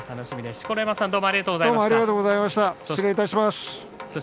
錣山さんありがとうございました。